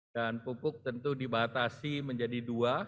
dan pupuk tentu dibatasi menjadi dua